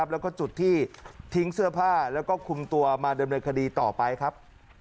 แล้วก็จุดที่ทิ้งเสื้อผ้าแล้วก็คุมตัวมาดำเนินคดีต่อไปครับ